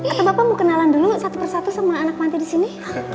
atau bapak mau kenalan dulu satu persatu sama anak panti di sini